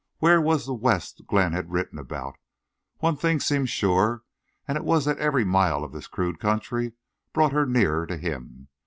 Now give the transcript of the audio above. Where was the West Glenn had written about? One thing seemed sure, and it was that every mile of this crude country brought her nearer to him.